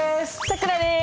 さくらです！